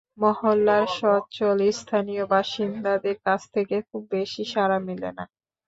মহল্লার সচ্ছল স্থানীয় বাসিন্দাদের কাছ থেকে খুব বেশি সাড়া মেলে না।